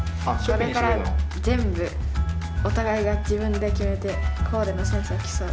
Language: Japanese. これから全部お互いが自分で決めてコーデのセンスを競う。